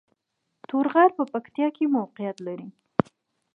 تور غر په پکتیا کې موقعیت لري